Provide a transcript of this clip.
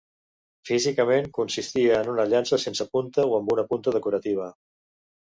Físicament consistia en una llança sense punta o amb una punta decorativa.